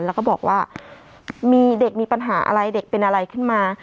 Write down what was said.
แล้วก็บอกว่ามีเด็กมีปัญหาอะไรเด็กเป็นอะไรขึ้นมา